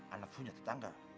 anak punya tetangga